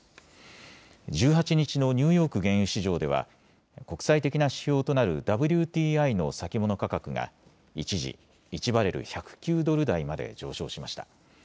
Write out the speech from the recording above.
１８日のニューヨーク原油市場では国際的な指標となるＷＴＩの先物価格が一時１バレル１０９ドル台まで上昇しました。